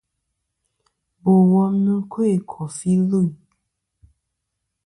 Bò wom nɨ̀n kœ̂ kòfi lvîn.